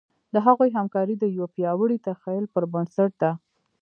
د هغوی همکاري د یوه پیاوړي تخیل پر بنسټ ده.